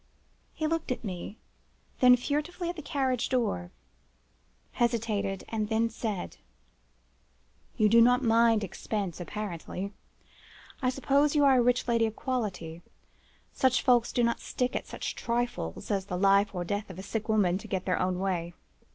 "He looked at me, then (furtively) at the carriage, hesitated, and then said: 'You do not mind expense, apparently. I suppose you are a rich lady of quality. Such folks will not stick at such trifles as the life or death of a sick woman to get their own way.